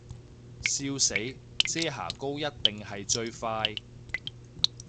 笑死，遮瑕膏一定係最快